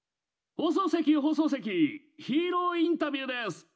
放送席放送席ヒーローインタビューです！